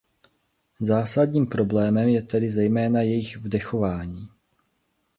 Zásadním problémem je tedy zejména jejich vdechování.